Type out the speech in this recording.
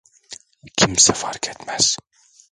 Kimse fark etmez.